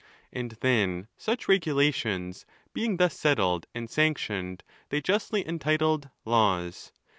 And then such regulations, being thus settled and sanctioned, they justly entitled Laws.